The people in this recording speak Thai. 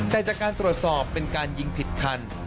แต่จากการตรวจสอบเป็นการยิงผิดคัน